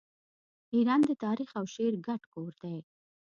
ایران د تاریخ او شعر ګډ کور دی.